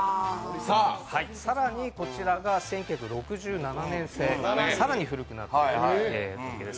更にこちらが１９６７年製更に古くなっています。